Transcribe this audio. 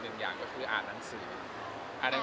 ต่ออยู่ถึงพี่พูดกับเฟือปืน